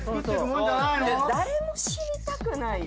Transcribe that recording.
誰も知りたくないよ。